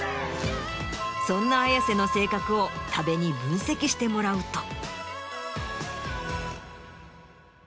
そんな綾瀬の性格を多部に分析してもらうと。